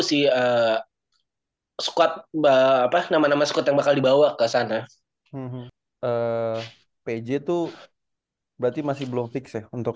sih eh squat mbah apa nama nama scott yang bakal dibawa ke sana pj dua berarti masih blotik untuk